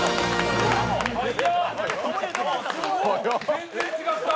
全然違った！